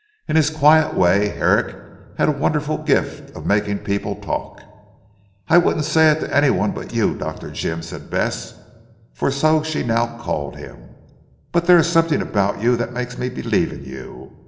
In his quiet way Herrick had a wonderful gift of making people talk. "I wouldn't say it to any one but you Dr. Jim," said Bess for so she now called him, "but there is something about you that makes me believe in you.